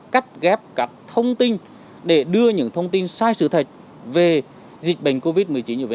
cắt ghép các thông tin để đưa những thông tin sai sự thật về dịch bệnh covid một mươi chín về